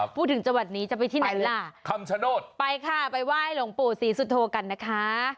จังหวัดนี้จะไปที่ไหนล่ะคำชโนธไปค่ะไปไหว้หลวงปู่ศรีสุโธกันนะคะ